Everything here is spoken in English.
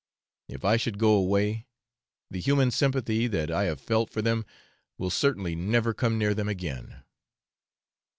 If I should go away, the human sympathy that I have felt for them will certainly never come near them again.